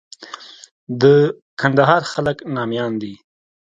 د کندهار خلک ناميان دي.